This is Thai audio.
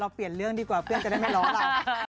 เปลี่ยนเรื่องดีกว่าเพื่อนจะได้ไม่ล้อเรา